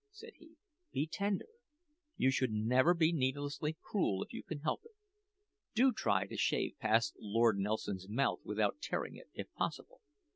said he; "be tender! You should never be needlessly cruel if you can help it. Do try to shave past Lord Nelson's mouth without tearing it, if possible!